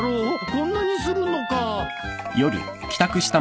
こんなにするのか。